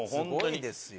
すごいですよ。